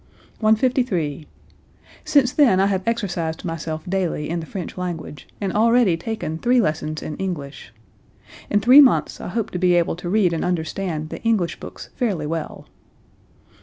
153. "Since then I have exercised myself daily in the French language, and already taken three lessons in English. In three months I hope to be able to read and understand the English books fairly well."